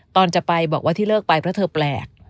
ตอนจะไปบอกว่าที่เลิกไปเพราะเธอแปลก